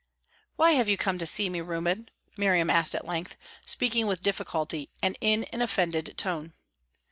"Why have you come to see me, Reuben?" Miriam asked at length, speaking with difficulty and in an offended tone.